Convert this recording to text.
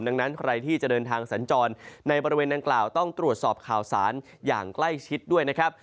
ดังนั้นใครที่จะเดินทางสัญจรในบริเวณดังกล่าวต้องตรวจสอบข่าวสารอย่างใกล้ชิดด้วยนะครับ